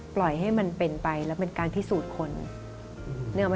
ปล่อยให้มันเป็นไปแล้วเป็นการพิสูจน์คน